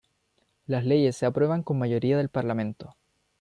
Las leyes se aprueban con mayoría del Parlamento.